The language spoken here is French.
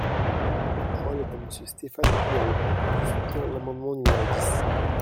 La parole est à Monsieur Stéphane Claireaux, pour soutenir l’amendement numéro dix.